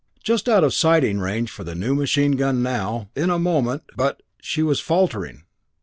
Just out of sighting range for the machine gun now ... in a moment ... but, she was faltering!